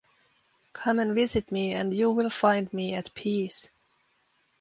Come and visit me, and you will find me at peace.